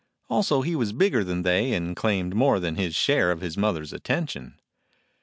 Also he was bigger than they, and claimed more than his share of his mother's attention.